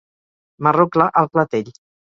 Marró clar al clatell.